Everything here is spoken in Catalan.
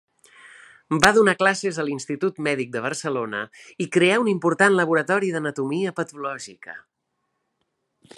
Va donar classes a l'Institut Mèdic de Barcelona i creà un important laboratori d'anatomia patològica.